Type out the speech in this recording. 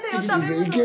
いける？